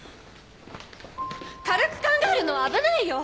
軽く考えるのは危ないよ！